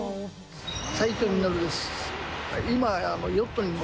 斉藤実です。